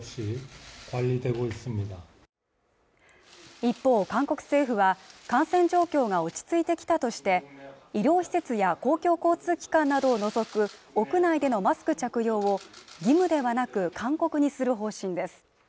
一方韓国政府は感染状況が落ち着いてきたとして医療施設や公共交通機関などを除く屋内でのマスク着用を義務ではなく勧告にする方針です